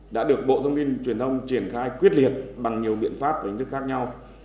đã được bộ thông tin truyền thông triển khai quyết liệt bằng nhiều biện pháp và hình thức khác nhau